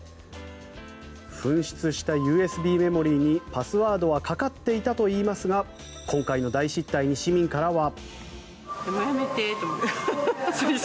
紛失したＵＳＢメモリーにパスワードはかかっていたといいますが今回の大失態に市民からは。